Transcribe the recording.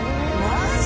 マジ？